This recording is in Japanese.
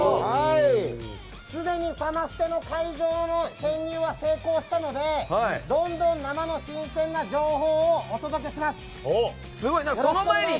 すでにサマステの会場への潜入は成功したのでどんどん生の新鮮な情報をお届けします。